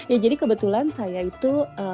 ya jadi kebetulan saya itu